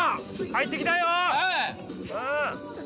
入ってきたよ！